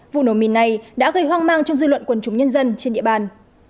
vụ nổ mìn này đã gây hoang mang trong dư luận quần chúng nhân dân trên địa bàn